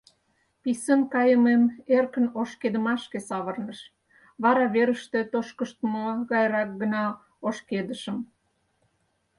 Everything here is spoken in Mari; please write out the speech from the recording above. Писын кайымем эркын ошкедымашке савырныш, вара верыште тошкыштмо гайрак гына ошкедышым.